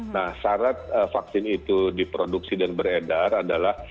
nah syarat vaksin itu diproduksi dan beredar adalah